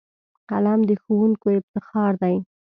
قلم د ښوونکیو افتخار دی